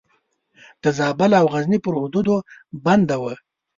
د زابل او غزني پر حدودو بنده وه.